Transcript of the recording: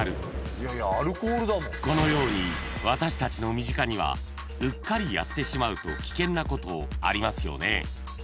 ［このように私たちの身近にはうっかりやってしまうと危険なことありますよね］